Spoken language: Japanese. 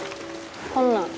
こんなん。